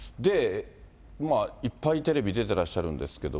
いっぱいテレビ出てらっしゃるんですけど。